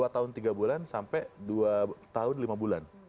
dua tahun tiga bulan sampai dua tahun lima bulan